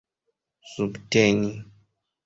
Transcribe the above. subteni